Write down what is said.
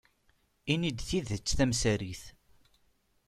Ini-d tidet tamsarit.